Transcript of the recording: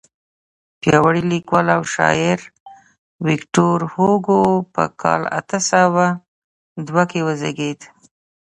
پیاوړی لیکوال او شاعر ویکتور هوګو په کال اته سوه دوه کې وزیږېد.